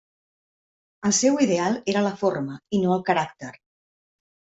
El seu ideal era la forma i no el caràcter.